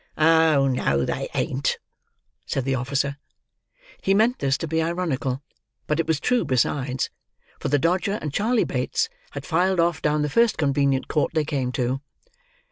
"Oh no, they ain't," said the officer. He meant this to be ironical, but it was true besides; for the Dodger and Charley Bates had filed off down the first convenient court they came to.